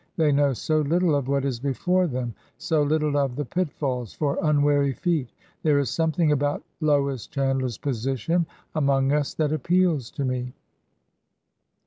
They know so little of what is before them— so little of the pitfalls for unwary feet. ... There is something about Lois Chandler's position among us that appeals to me."